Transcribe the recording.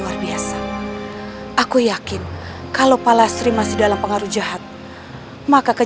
ketika aku membuat keris mega lama pesanan gusti ronggolawe